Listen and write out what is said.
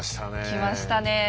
きましたねえ。